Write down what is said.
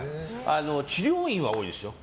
治療院は多いですよ。